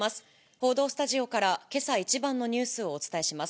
報道スタジオからけさ一番のニュースをお伝えします。